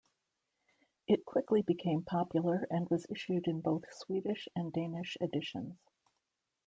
It quickly became popular and was issued in both Swedish and Danish editions.